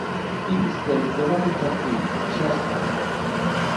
¡Imos ter un debate tranquilo, xa está!